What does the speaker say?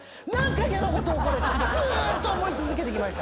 ずーっと思い続けてきました。